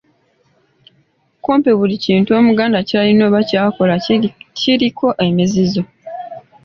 Kumpi buli kintu omuganda ky'alina oba ky'akola kiriko emizizo.